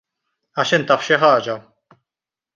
Għax int taf xi ħaġa.